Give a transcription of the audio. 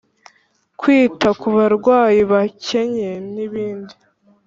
Kwita ku barwayi bakennye n ibindi